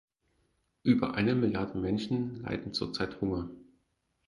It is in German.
Über eine Milliarde Menschen leiden zurzeit Hunger.